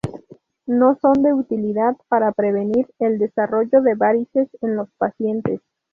No son de utilidad para prevenir el desarrollo de varices en los pacientes.